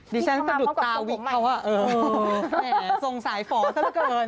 ดิฉันก็ดูดตาวิกเขาว่าสงสายฝองเท่าเกิน